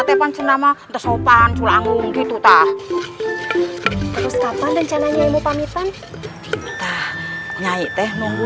tepan senama ntesopan sulangung gitu tah terus kapan rencana nyai mau pamitan nyai teh nunggu